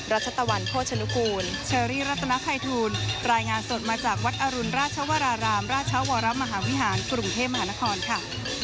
รัชตะวันโภชนุกูลเชอรี่รัตนภัยทูลรายงานสดมาจากวัดอรุณราชวรารามราชวรมหาวิหารกรุงเทพมหานครค่ะ